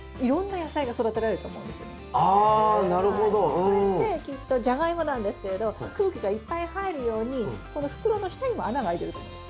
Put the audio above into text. これってきっとジャガイモなんですけれど空気がいっぱい入るようにこの袋の下にも穴が開いてると思うんです。